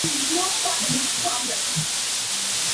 El área fue declarada como "Parque Histórico Punta Cuevas".